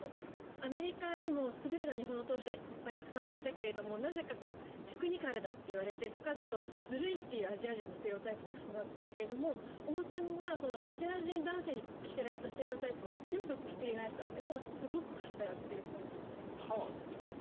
アメリカにも優れた日本の投手はいっぱいたくさん行ったけれどもテクニカルだといわれてそこからちょっとずるいってアジア人のステレオタイプに重なったけれども大谷はアジア人男性に着せられたステレオタイプを全部ひっくり返したのもすごく活性を浴びているポイントみたいです。